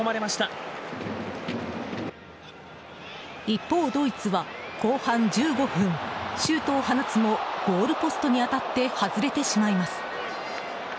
一方、ドイツは後半１５分シュートを放つもゴールポストに当たって外れてしまいます。